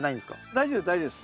大丈夫です大丈夫です。